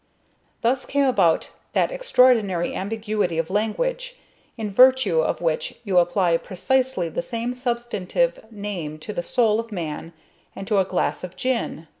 Thus came about that extraordinary ambiguity of language, in virtue of which you apply precisely the same substantive name to the soul of man and to a glass of gin!